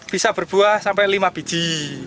bisa berbuah sampai lima biji